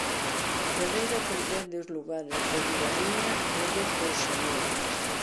Ferreira comprende os lugares da Ribadiña e do Pouxaneiro.